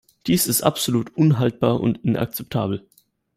Dies ist absolut unhaltbar und inakzeptabel.